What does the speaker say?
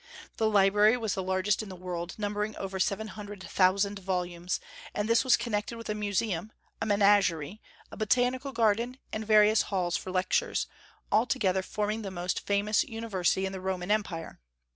The library was the largest in the world, numbering over seven hundred thousand volumes; and this was connected with a museum, a menagerie, a botanical garden, and various halls for lectures, altogether forming the most famous university in the Roman empire.